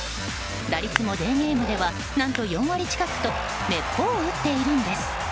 打率もデーゲームでは何と４割近くとめっぽう打っているんです。